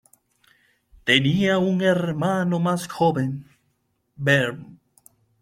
Tenía un hermano más joven, Vern.